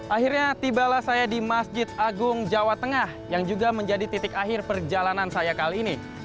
akhirnya tibalah saya di masjid agung jawa tengah yang juga menjadi titik akhir perjalanan saya kali ini